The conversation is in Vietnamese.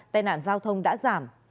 tai nạn giao thông đã giảm